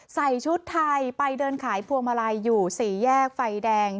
ใส่ชุดไทยไปเดินขายพวงมาลัยอยู่สี่แยกไฟแดง